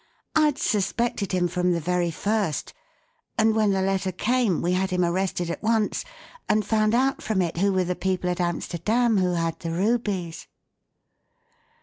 I'd suspected him from the very first; and when the letter came, we had him arrested at once, and found out from it who were the people at Amsterdam who had the rubies."